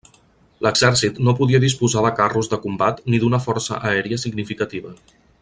L’exèrcit no podia disposar de carros de combat ni d'una força aèria significativa.